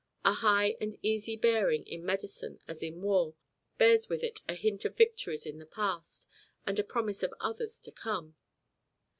A high and easy bearing in medicine as in war bears with it a hint of victories in the past, and a promise of others to come.